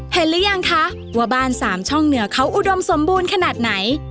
หรือยังคะว่าบ้านสามช่องเหนือเขาอุดมสมบูรณ์ขนาดไหน